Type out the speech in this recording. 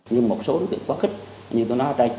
như một số đối tượng quá khích như tôi nói ở đây